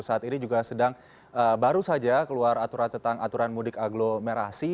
saat ini juga sedang baru saja keluar aturan tentang aturan mudik aglomerasi